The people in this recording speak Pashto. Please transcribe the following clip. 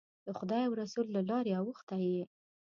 د خدای او رسول له لارې اوښتی یې.